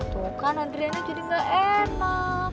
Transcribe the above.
tuh kan adriana jadi ga enak